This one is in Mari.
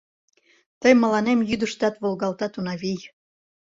— Тый мыланем йӱдыштат волгалтат, Унавий.